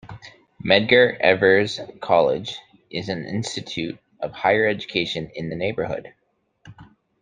Medgar Evers College is an institution of higher education in the neighborhood.